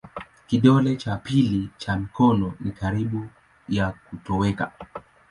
Kidole cha pili cha mikono ni karibu ya kutoweka.